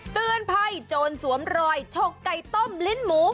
เตือนภัยโจรสวมรอยฉกไก่ต้มลิ้นหมู